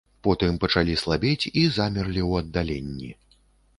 Потым пачалі слабець і замерлі ў аддаленні.